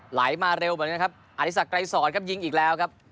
ไหลมาเร็วเหมือนกันครับอธิษฐกรายสอนยิงอีกแล้วครับ